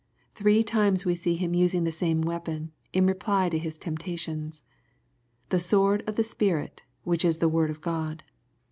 Three times we see Him using the same weapon, in reply to his temptations ;^" the sword of the Spirit, which is the word of God."